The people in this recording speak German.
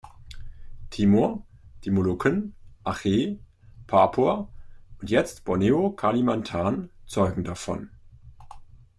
Timor, die Molukken, Aceh, Papua und jetzt Borneo-Kalimantan zeugen davon.